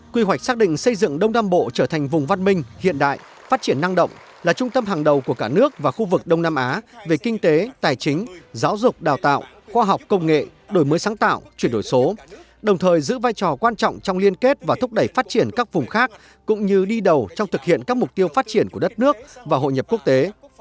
quy hoạch xác định xây dựng đông nam bộ trở thành vùng văn minh hiện đại phát triển năng động là trung tâm hàng đầu của cả nước và khu vực đông nam á về kinh tế tài chính giáo dục đào tạo khoa học công nghệ đổi mới sáng tạo chuyển đổi số đồng thời giữ vai trò quan trọng trong liên kết và thúc đẩy phát triển các vùng khác cũng như đi đầu trong thực hiện các mục tiêu phát triển của đất nước và hội nhập quốc tế